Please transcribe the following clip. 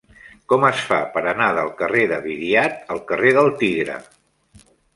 Com es fa per anar del carrer de Viriat al carrer del Tigre?